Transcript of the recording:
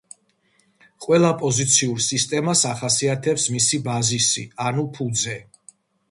ყოველ პოზიციურ სისტემას ახასიათებს მისი ბაზისი ანუ ფუძე.